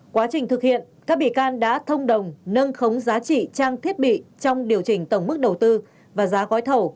quá trình thực hiện các bị can đã thông đồng nâng khống giá trị trang thiết bị trong điều chỉnh tổng mức đầu tư và giá gói thầu